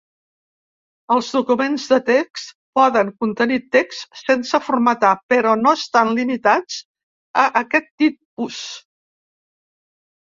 Els documents de text poden contenir text sense formatar, però no estan limitats a aquest tipus.